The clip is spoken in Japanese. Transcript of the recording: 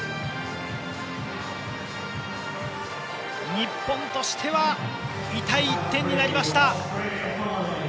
日本としては痛い１点になりました。